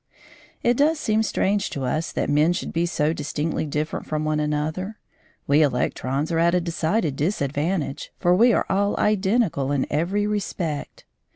It does seem strange to us that men should be so distinctly different from one another. We electrons are at a decided disadvantage, for we are all identical in every respect.